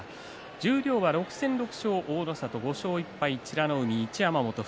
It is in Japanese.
十両は６戦６勝大の里５勝１敗、美ノ海と一山本が